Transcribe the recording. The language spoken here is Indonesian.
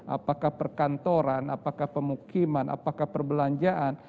apakah perkantoran apakah pemukiman apakah perbelanjaan